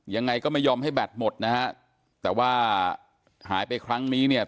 ยังไงก็ไม่ยอมให้แบตหมดนะฮะแต่ว่าหายไปครั้งนี้เนี่ย